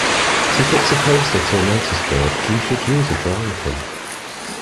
To fix a poster to a noticeboard you should use a drawing pin